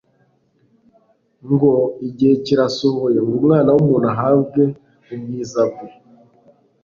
ngo : "Igihe kirasohoye ngo Umwana w'umuntu ahabwe ubwiza bwe."